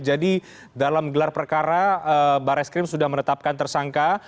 jadi dalam gelar perkara bareskrim sudah menetapkan tersangka